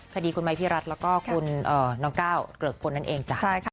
คดีคุณมัยพิรัตน์แล้วก็คุณน้องก้าวเกลือกคนนั้นเองจ้ะ